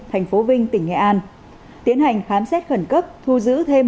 tp vinh tỉnh nghệ an tiến hành khám xét khẩn cấp thu giữ thêm